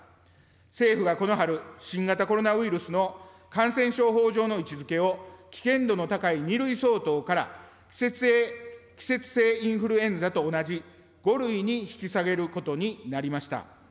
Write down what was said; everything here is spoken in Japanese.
政府がこの春、新型コロナウイルスの感染症法上の位置づけを危険度の高い２類相当から、季節性インフルエンザと同じ５類に引き下げることになりました。